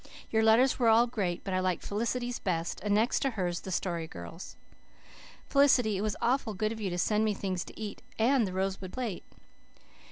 Your letters were all great, but I liked Felicity's best, and next to hers the Story Girl's. Felicity, it will be awful good of you to send me things to eat and the rosebud plate.